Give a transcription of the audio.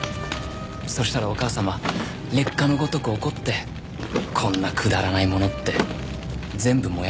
そしたらお母様烈火のごとく怒って「こんなくだらないもの」って全部燃やしちゃった。